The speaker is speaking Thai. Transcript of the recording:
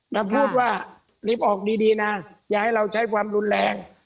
มาพูดว่ารีบออกดีนะอย่าให้เราใช้ความรุนแรง